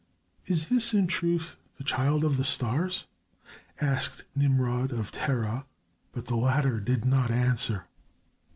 "Is this, in truth, the child of the stars?" asked Nimrod, of Terah, but the latter did not answer.